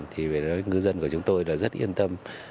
thì ngư dân của chúng tôi đã rất yên tâm